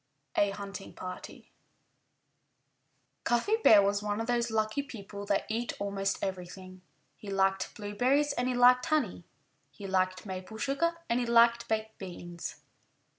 *XVII* *A HUNTING PARTY* Cuffy Bear was one of those lucky people that eat almost everything. He liked blueberries and he liked honey; he liked maple sugar and he liked baked beans.